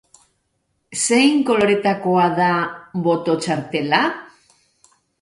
Zein koloretakoa da boto-txartela?